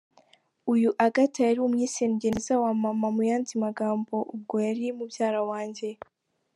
Uyu Agatha yari umwisengeneza wa maman mu yandi magambo ubwo yari mubyara wanjye.